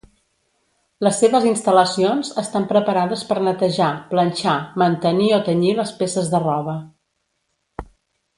Les seves instal·lacions estan preparades per netejar, planxar, mantenir o tenyir les peces de roba.